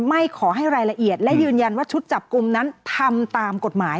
ไม่ขอให้รายละเอียดและยืนยันว่าชุดจับกลุ่มนั้นทำตามกฎหมาย